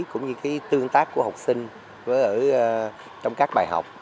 cũng như tương tác của học sinh trong các bài học